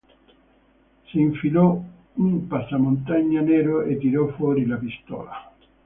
Si infilò un passamontagna nero e tirò fuori la pistola.